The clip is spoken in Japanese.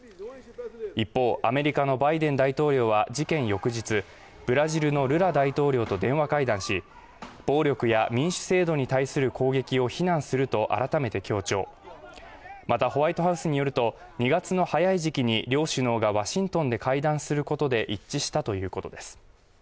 一方アメリカのバイデン大統領は事件翌日ブラジルのルラ大統領と電話会談し暴力や民主制度に対する攻撃を非難すると改めて強調またホワイトハウスによると２月の早い時期に両首脳がワシントンで会談することで一致したということです